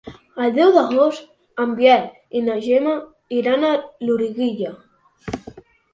El deu d'agost en Biel i na Gemma iran a Loriguilla.